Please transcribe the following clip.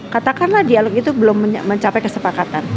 katakanlah dialog itu belum mencapai kesepakatan